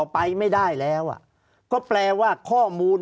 ภารกิจสรรค์ภารกิจสรรค์